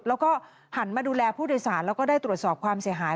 แล้วก็หันมาดูแลผู้โดยสารแล้วก็ได้ตรวจสอบความเสียหาย